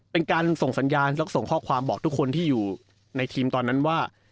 เป็นการส่งสัญญาณแล้วส่งข้อความบอกทุกคนที่อยู่ในทีมตอนนั้นว่า